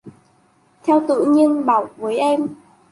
Theo tự nhiên bảo với em